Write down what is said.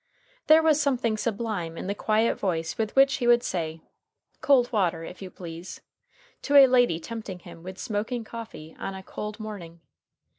There was something sublime in the quiet voice with which he would say, "Cold water, if you please," to a lady tempting him with smoking coffee on a cold morning.